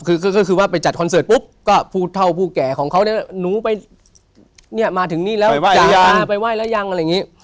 คือก็คือว่าไปจัดคอนเสิร์ตปุ๊บก็ผู้เท่าผู้แก่ของเขาเนี่ยหนูไปเนี่ยมาถึงนี่แล้วไปไห้แล้วยังอะไรอย่างนี้